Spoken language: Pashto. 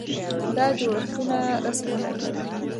دا جوړښتونه رسم کړئ.